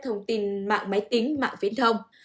thông tin mạng máy tính mạng viễn thông